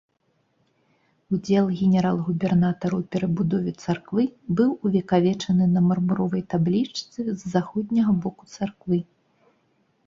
Удзел генерал-губернатара ў перабудове царквы быў увекавечаны на мармуровай таблічцы з заходняга боку царквы.